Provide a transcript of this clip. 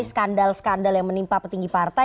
skandal skandal yang menimpa petinggi partai